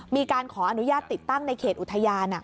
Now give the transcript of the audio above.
มีการขออนุญาตติดตั้งในเขตอุทยาน